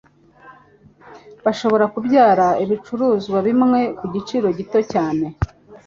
Bashobora kubyara ibicuruzwa bimwe ku giciro gito cyane.